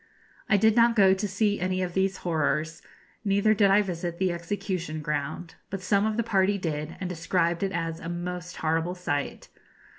I did not go to see any of these horrors, neither did I visit the execution ground; but some of the party did, and described it as a most horrible sight.